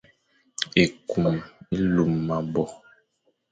Ekum e lum me abo ;